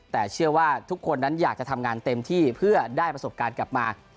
แต่เชื่อว่าทุกคนนั้นอยากจะทำงานเต็มที่เพื่อได้ประสบการณ์กลับมา